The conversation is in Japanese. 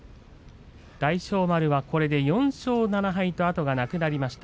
大翔丸４勝７敗と後がなくなりました。